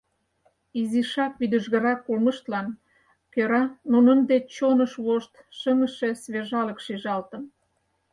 Изишак вӱдыжгырак улмыштлан кӧра нунын деч чоныш вошт шыҥыше свежалык шижалтын.